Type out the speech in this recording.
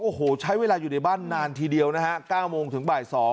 โอ้โหใช้เวลาอยู่ในบ้านนานทีเดียวนะฮะ